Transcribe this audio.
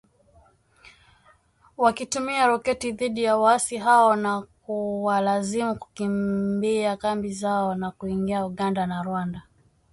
wakitumia roketi dhidi ya waasi hao na kuwalazimu kukimbia kambi zao na kuingia Uganda na Rwanda